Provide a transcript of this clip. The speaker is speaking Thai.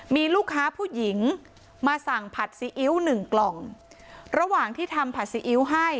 มีลูกค้าผู้หญิงมาสั่งผัดซีอิ๊วหนึ่งกล่องระหว่างที่ทำผัดซีอิ๊วให้